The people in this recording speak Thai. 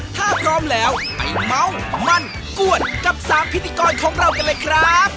ถ้าพร้อมแล้วไปเมาส์มั่นก้วนกับ๓พิธีกรของเรากันเลยครับ